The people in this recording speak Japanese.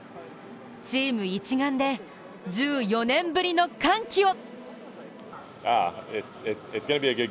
チーム一丸で１４年ぶりの歓喜を！